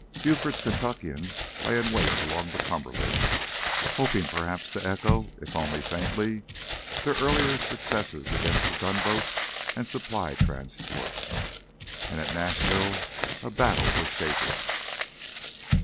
Buford's Kentuckians lay in wait along the Cumberland, hoping perhaps to echo, if only faintly, their earlier successes against the gunboats and supply transports. And at Nashville a battle was shaping....